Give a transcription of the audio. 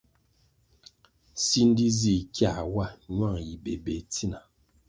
Sindi zih kiā wa, ñuang yi bébéh tsina.